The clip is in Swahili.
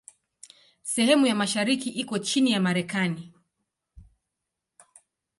Sehemu ya mashariki iko chini ya Marekani.